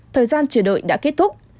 thời gian chờ đợi đã kết thúc